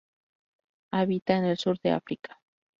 Habita en el sur de África.